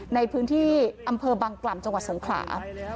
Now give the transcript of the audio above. ในพื้นที่อำเภอบังกล่ำจังหวัดสงขลา